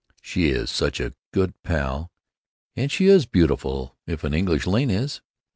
she is such a good pal, and she is beautiful if an English lane is.